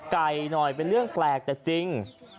ไก่หน่อยเป็นเรื่องแปลกแต่จริง